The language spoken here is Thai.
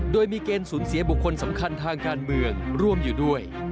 โดยมีเกณฑ์สูญเสียบุคคลสำคัญทางการเมืองร่วมอยู่ด้วย